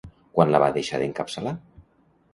Quan la va deixar d'encapçalar?